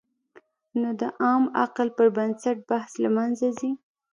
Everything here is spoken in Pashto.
نو د عام عقل پر بنسټ بحث له منځه ځي.